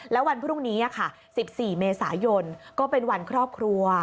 แล้ววันพรุ่งนี้๑๔เมษายนก็เป็นวันครอบครัว